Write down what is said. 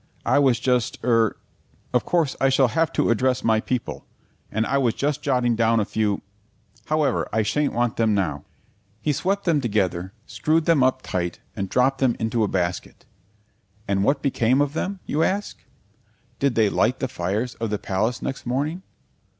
"I was just er Of course I shall have to address my people, and I was just jotting down a few However, I shan't want them now." He swept them together, screwed them up tight, and dropped them into a basket. And what became of them? you ask. Did they light the fires of the Palace next morning?